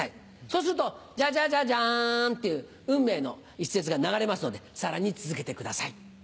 そうするとジャジャジャジャンっていう『運命』の１節が流れますのでさらに続けてください。